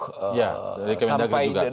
dari kementeragri juga